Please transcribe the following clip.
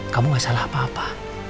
kamu gak salah apa apa